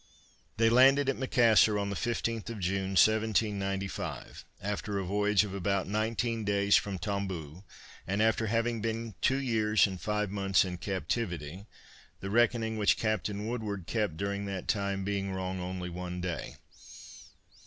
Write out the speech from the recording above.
They landed at Macassar on the 15th of June 1795, after a voyage of about nineteen days from Tomboo, and after having been two years and five months in captivity; the reckoning which Captain Woodward kept during that time, being wrong only one day.